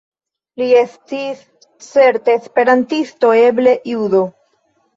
Li estis certe esperantisto, eble judo.